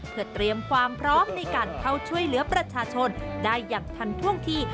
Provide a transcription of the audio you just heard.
เพื่อเตรียมความพร้อมในการเข้าช่วยเหลือประชาชนได้อย่างทันท่วงที